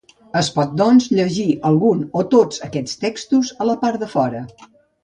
Es pot, doncs, llegir algun o tots aquests textos a la part de fora.